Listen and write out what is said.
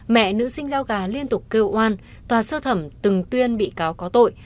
mẹ nữ sinh giao gà liên tục kêu oan tòa sơ thẩm từng tuyên bị cáo có tội